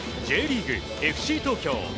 Ｊリーグ、ＦＣ東京。